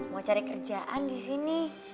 mau cari kerjaan disini